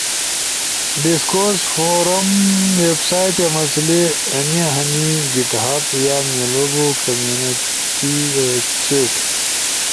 ڈسکورس فورزم ویس سائٹے مسلئی اینی ہنے گٹ ہب یا میلو بو کمینونیٹی چیٹ۔